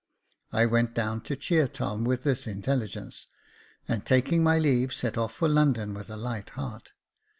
I went down to cheer Tom with this intelligence, and, taking my leave, set off for London with a light heart.